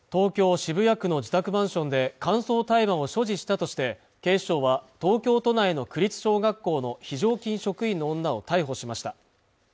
渋谷区の自宅マンションで乾燥大麻を所持したとして警視庁は東京都内の区立小学校の非常勤職員の女を逮捕しました